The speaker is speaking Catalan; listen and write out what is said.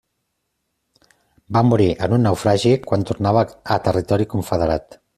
Va morir en un naufragi quan tornava a territori Confederat.